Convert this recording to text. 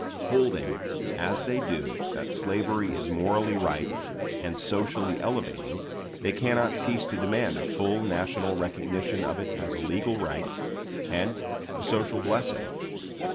Holding, as they do, that slavery is morally right and socially elevating, they cannot cease to demand a full national recognition of it as a legal right and a social blessing.